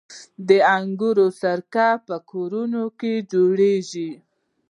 د انګورو سرکه په کورونو کې جوړیږي.